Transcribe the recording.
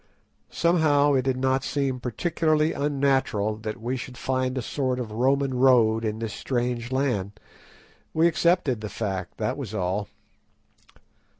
Somehow it did not seem particularly unnatural that we should find a sort of Roman road in this strange land. We accepted the fact, that was all.